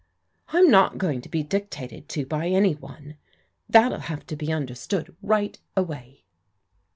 "" I'm not going to be dictated to by any one. That'll have to be understood right away."